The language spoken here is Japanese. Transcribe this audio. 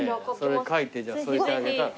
それ書いて添えてあげたら？